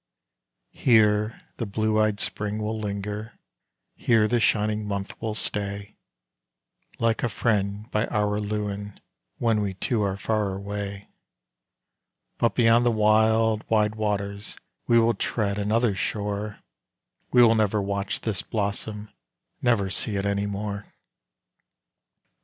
Here the blue eyed Spring will linger, here the shining month will stay, Like a friend, by Araluen, when we two are far away; But beyond the wild, wide waters, we will tread another shore We will never watch this blossom, never see it any more.